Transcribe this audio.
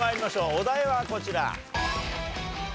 お題はこちら。